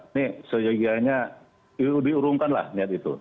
ini seyogianya diurungkanlah niat itu